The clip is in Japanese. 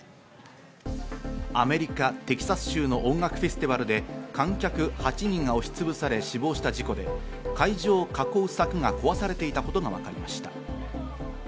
アメリカ・テキサス州の音楽フェスティバルで観客８人が押しつぶされ死亡した事故で、会場を囲う柵が壊されていたことがわかりました。